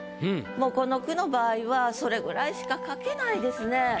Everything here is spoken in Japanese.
もうこの句の場合はそれぐらいしか書けないですね。